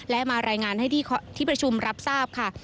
และมารายงานให้ที่ประชุมรับทราบค่ะ